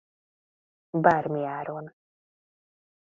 Bármi áron.